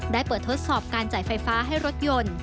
ได้เปิดทดสอบการจ่ายไฟฟ้าให้รถยนต์